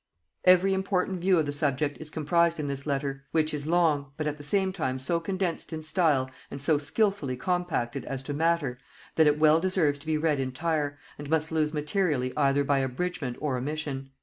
Every important view of the subject is comprised in this letter, which is long, but at the same time so condensed in style, and so skilfully compacted as to matter, that it well deserves to be read entire, and must lose materially either by abridgement or omission.